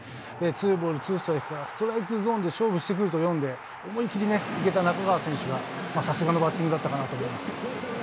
ツーボールツーストライクから、ストライクゾーンで勝負してくると読んで、思いきりいけた中川選手がさすがのバッティングだったかなと思い